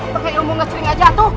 pakai umum gak sering aja hatu